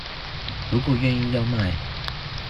如果願意要賣